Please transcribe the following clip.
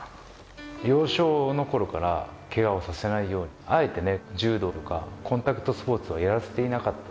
幼少の頃からケガをさせないようにあえて柔道とかコンタクトスポーツをやらせていなかったって。